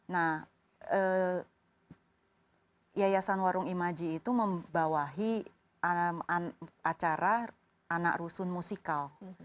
nah yayasan warung imaji itu membawahi acara anak rusun musikal